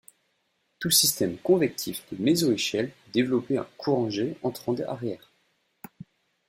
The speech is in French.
Tout système convectif de méso-échelle peut développer un courant-jet entrant arrière.